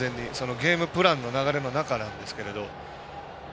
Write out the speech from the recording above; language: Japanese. ゲームプランの流れの中なんですが。